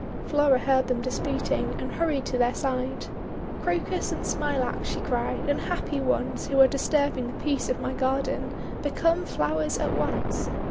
Flora heard them disputing and hurried to their side. 'Crocus and Smilax!' she cried. 'Unhappy ones, who are disturbing the peace of my garden ! Become flowers at once!'